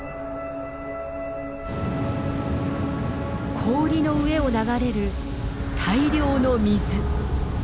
氷の上を流れる大量の水。